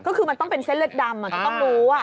ก็คือมันต้องเป็นเส้นเลือดดำจะต้องรู้